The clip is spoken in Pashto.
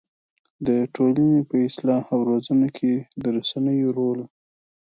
د ټولنې په اصلاح او روزنه کې د رسنيو رول